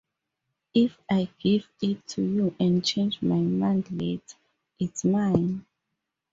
If I give it to you and change my mind later, it's mine.